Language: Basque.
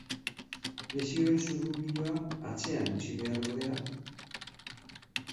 Lesioen zurrunbiloa atzean utzi behar ordea.